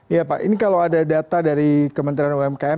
iya pak ini kalau ada data dari kementerian umkm